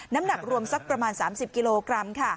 น้ำหนักรวมสักประมาณ๓๐กิโลกรัมค่ะ